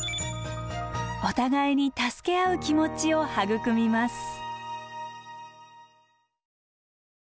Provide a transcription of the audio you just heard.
お互いに助け合う気持ちを育みます。